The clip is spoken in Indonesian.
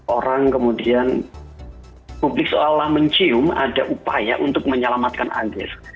orang kemudian publik seolah olah mencium ada upaya untuk menyelamatkan anies